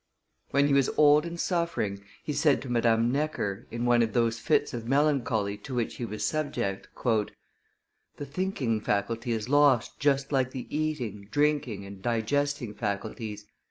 When he was old and suffering, he said to Madame Necker, in one of those fits of melancholy to which he was subject, "The thinking faculty is lost just like the eating, drinking, and digesting faculties.